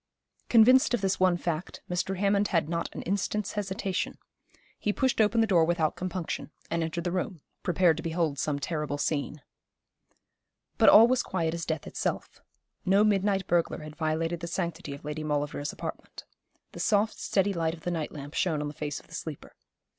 Convinced of this one fact, Mr. Hammond had not an instant's hesitation. He pushed open the door without compunction, and entered the room, prepared to behold some terrible scene. But all was quiet as death itself. No midnight burglar had violated the sanctity of Lady Maulevrier's apartment. The soft, steady light of the night lamp shone on the face of the sleeper.